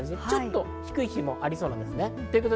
ちょっと低い日もありそうです。